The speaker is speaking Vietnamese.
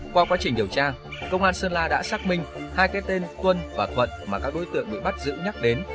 qua quá trình điều tra công an sơn la đã xác minh hai cái tên quân và thuận mà các đối tượng bị bắt giữ nhắc đến